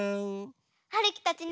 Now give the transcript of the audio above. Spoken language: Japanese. はるきたちね